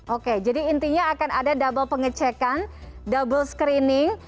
oke jadi intinya akan ada dobel pengecekan dobel screening